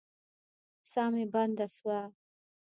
ساه مي بنده سوه.